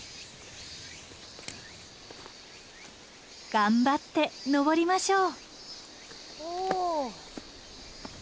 頑張って登りましょう。